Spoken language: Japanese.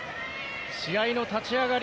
試合の立ち上がり